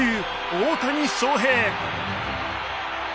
大谷翔平。